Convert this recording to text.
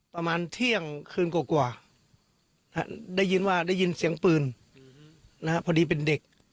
ประมาณเที่ยงคืนกว่าได้ยินว่าได้ยินเสียงปืนพอดีเป็นเด็ก